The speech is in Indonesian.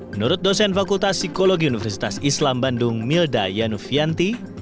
menurut dosen fakultas psikologi universitas islam bandung milda yanufianti